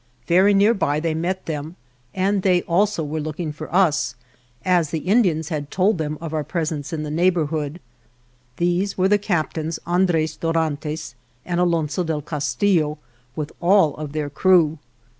Very near by they met them, and they also were looking for us, as the Indians had told them of our presence in the neighborhood. These were the Captains Andres Dorantes and Alonso del Castillo, with all of their crew.